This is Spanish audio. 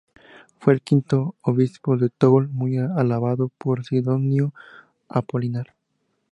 Fue el quinto obispo de Toul, muy alabado por Sidonio Apolinar.